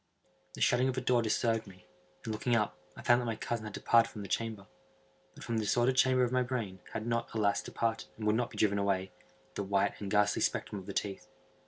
The shutting of a door disturbed me, and, looking up, I found that my cousin had departed from the chamber. But from the disordered chamber of my brain, had not, alas! departed, and would not be driven away, the white and ghastly spectrum of the teeth.